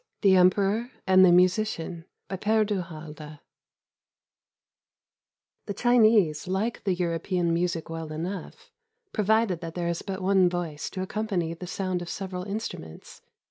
THE EMPEROR AND THE MUSICIAN BY PkRE DU HALDE The Chinese like the European music well enough, pro vided that there is but one voice to accompany the sound of several instnmients.